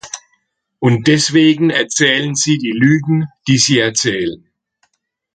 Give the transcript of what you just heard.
Und deswegen erzählen sie die Lügen, die sie erzählen.